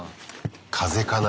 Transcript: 風かな？